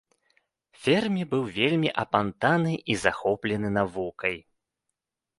Фермі быў вельмі апантаны і захоплены навукай.